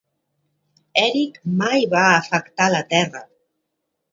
Erick mai va afectar la terra.